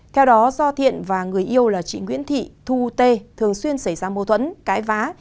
theo đó do thiện và người yêu là chị nguyễn thị thu tê thường xuyên xảy ra mâu thuẫn cãi vã